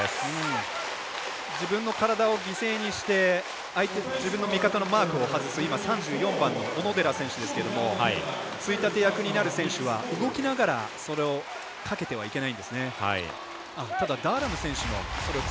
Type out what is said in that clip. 自分の体を犠牲にしてマークをはずす今３４番の小野寺選手ですけどついたて役になる選手は動きながらそれをかけてはいけないんですね。